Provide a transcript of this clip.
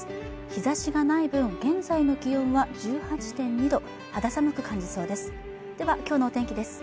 日差しがない分現在の気温は１８．２度肌寒く感じそうです